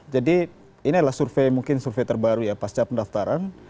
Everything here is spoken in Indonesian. jadi ini adalah survei mungkin survei terbaru ya pasca pendaftaran